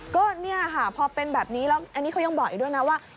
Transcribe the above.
ก็เนี่ยค่ะพอเป็นแบบนี้แล้วอันนี้เขายังบอกอีกด้วยนะว่า